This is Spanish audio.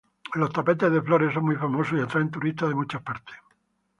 Los tapetes de flores son muy famosos y atraen turistas de muchas partes.